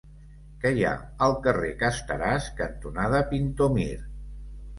Què hi ha al carrer Casteràs cantonada Pintor Mir?